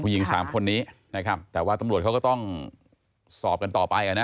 หญิงสามคนนี้นะครับแต่ว่าตำรวจเขาก็ต้องสอบกันต่อไปอ่ะนะ